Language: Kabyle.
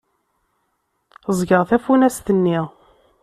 Ẓẓgeɣ tafunast-nni.